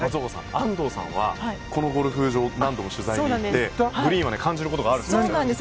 安藤さんは、このゴルフ場に何度も取材に行ってグリーンは感じることがあるそうです。